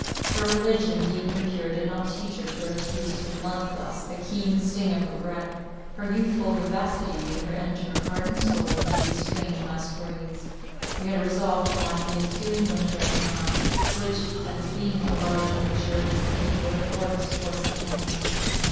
Her religion, deep and pure, did not teach her to refuse to blunt thus the keen sting of regret; her youthful vivacity made her enter, heart and soul, into these strange masquerades. We had resolved to pass the ensuing winter at Milan, which, as being a large and luxurious city, would afford us choice of homes.